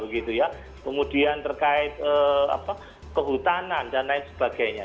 kemudian terkait kehutanan dan lain sebagainya